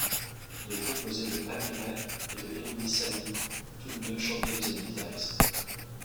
Il est composé de Amy Ray et Emily Saliers, toutes deux chanteuses et guitaristes.